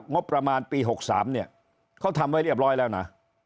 งบประมาณปี๖๓เนี่ยเขาทำไว้เรียบร้อยแล้วนะ